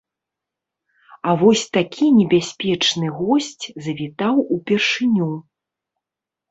А вось такі небяспечны госць завітаў упершыню.